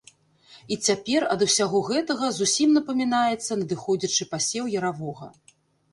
І цяпер ад усяго гэтага зусім напамінаецца надыходзячы пасеў яравога.